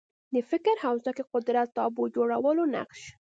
د فکر حوزه کې قدرت تابو جوړولو نقش